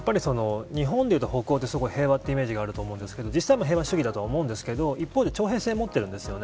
日本でいうと北欧って平和なイメージがあると思うんですが実際、平和主義だとは思うんですが一方で徴兵制を持っています。